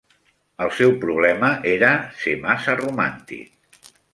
El seu problema era ser massa romàntic.